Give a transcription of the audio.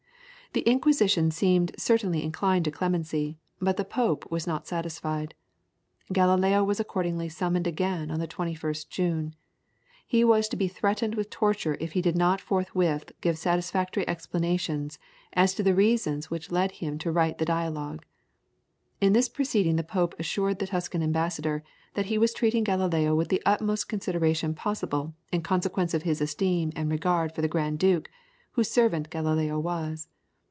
The Inquisition seemed certainly inclined to clemency, but the Pope was not satisfied. Galileo was accordingly summoned again on the 21st June. He was to be threatened with torture if he did not forthwith give satisfactory explanations as to the reasons which led him to write the Dialogue. In this proceeding the Pope assured the Tuscan ambassador that he was treating Galileo with the utmost consideration possible in consequence of his esteem and regard for the Grand Duke, whose servant Galileo was.